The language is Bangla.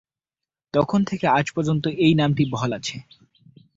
তখন থেকে আজ পর্যন্ত এই নামটি বহাল আছে।